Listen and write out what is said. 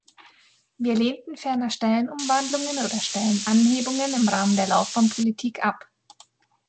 Wir lehnten ferner Stellenumwandlungen oder Stellenanhebungen im Rahmen der Laufbahnpolitik ab.